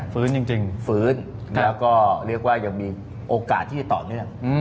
ฟื้นจริงฟื้นแล้วก็เรียกว่ายังมีโอกาสที่จะต่อเนื่อง